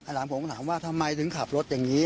หลานผมก็ถามว่าทำไมถึงขับรถอย่างนี้